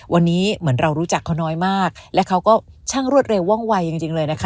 วันนี้เหมือนเรารู้จักเขาน้อยมากและเขาก็ช่างรวดเร็วว่องวัยจริงเลยนะคะ